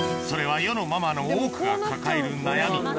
それは世のママの多くが抱える悩み